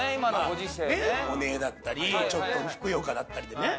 オネエだったりちょっとふくよかだったりでね。